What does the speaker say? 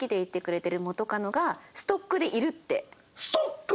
ストック！